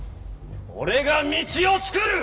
俺が道をつくる！